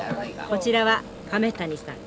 こちらは亀谷さん。